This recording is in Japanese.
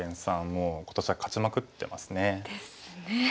もう今年は勝ちまくってますね。ですね。